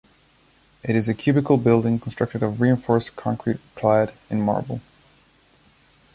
It is a cubical building constructed of reinforced concrete clad in marble.